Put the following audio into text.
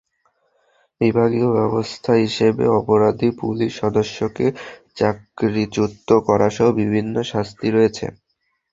বিভাগীয় ব্যবস্থা হিসেবে অপরাধী পুলিশ সদস্যকে চাকরিচ্যুত করাসহ বিভিন্ন শাস্তি রয়েছে।